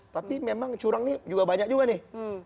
tapi memang curang ini juga banyak juga nih